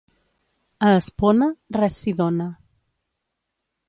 A Espona, res s'hi dóna.